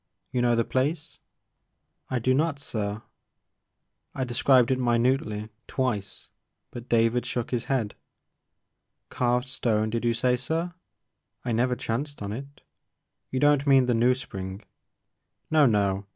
You know the place ?'' I "I do not sir." I described it minutely, twice, but David shook his head. "Carved stone did you say sir? I never chanced on it. You don't mean the New ! Spring "No, no